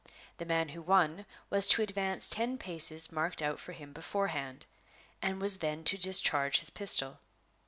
The man who won was to advance ten paces marked out for him beforehand and was then to discharge his pistol.